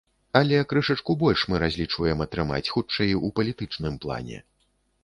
Але крышачку больш мы разлічваем атрымаць, хутчэй, у палітычным плане.